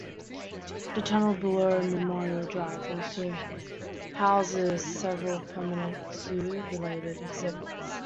The tunnel below Memorial Drive also houses several permanent zoo-related exhibits.